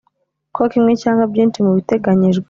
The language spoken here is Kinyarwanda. ko kimwe cyangwa byinshi mu biteganyijwe